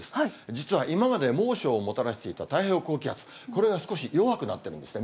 実は今まで猛暑をもたらしていた太平洋高気圧、これが少し弱くなっているんですね。